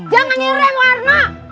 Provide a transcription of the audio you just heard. jangan ngirem warno